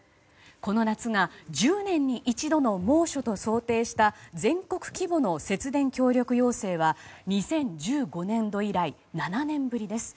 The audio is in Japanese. この夏が１０年に一度の猛暑と想定した全国規模の節電協力要請は２０１５年度以来７年ぶりです。